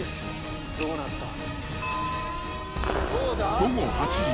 午後８時。